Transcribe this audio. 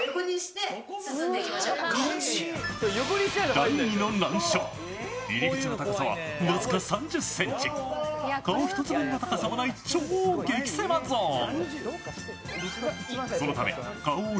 第２の難所、入り口の高さは僅か３０ｃｍ、顔１つ分の高さもない超激狭ゾーン。